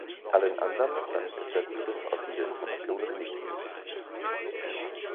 Allen anderen Nutzern ist der Zugriff auf diese Informationen nicht möglich.